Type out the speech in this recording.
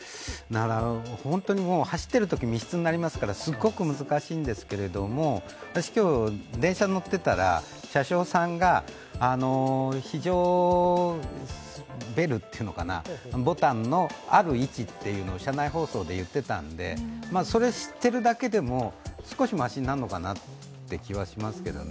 本当にもう、走っているときは密室になりますからすごく難しいんですけれども、私、今日、電車に乗ってたら車掌さんが、非常ベルというのかなボタンのある位置を車内放送で言っていたのでそれを知ってるだけでも少しましなのかなという気はしますけどね。